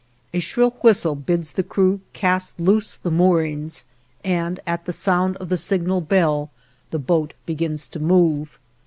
A shrill whistle bids the crew cast loose the moorings, and at the sound of the signal bell the boat begins to move.